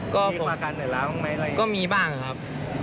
มีความอาการเหนื่อยแล้วหรือไม่อะไรอย่างนี้นะครับก็มีบ้างครับ